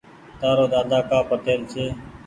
تآرو ۮاۮا ڪآ پٽيل ڇي ۔